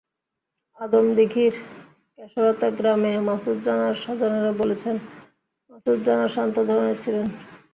আদমদীঘির কেশরতা গ্রামে মাসুদ রানার স্বজনেরা বলেছেন, মাসুদ রানা শান্ত ধরনের ছিলেন।